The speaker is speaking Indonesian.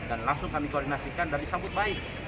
dan langsung kami koordinasikan dan disambut baik